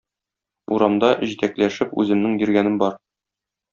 Урамда, җитәкләшеп, үземнең йөргәнем бар.